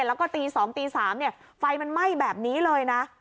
แล้วก็ตี๒ตี๓ไฟมันไหม้แบบนี้เลยนะ